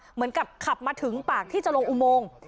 เหมือนกับขับมาถึงปากที่จะลงอุโมง